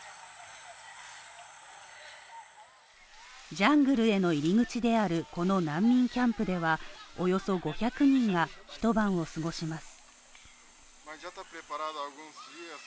ジャングルへの入り口であるこの難民キャンプではおよそ５００人が一晩を過ごします。